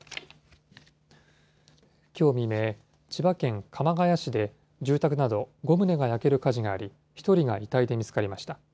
きょう未明、千葉県鎌ケ谷市で住宅など５棟が焼ける火事があり、１人が遺体で見つかりました。